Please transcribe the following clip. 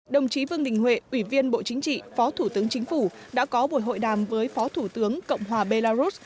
đồng chí vương đình huệ ủy viên bộ chính trị phó thủ tướng chính phủ đã có buổi hội đàm với phó thủ tướng cộng hòa belarus